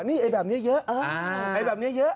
นี่แบบนี้เยอะแบบนี้เยอะ